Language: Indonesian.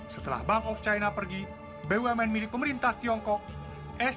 setelah bank of china pergi bumn milik pemerintah tiongkok sdic power holding masuk